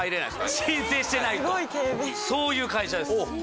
そういう会社です。